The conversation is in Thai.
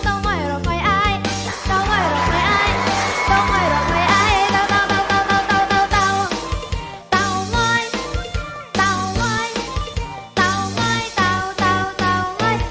ต้องไว้ต้องไว้ต้องไว้ต้องต้องต้องไว้